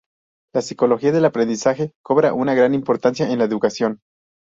La psicología del aprendizaje cobra una gran importancia en la educación.